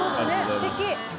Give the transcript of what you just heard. すてき。